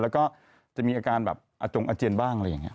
แล้วก็จะมีอาการอจงอ่าเจียนบ้าง